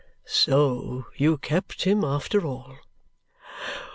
"So you kept him after all?"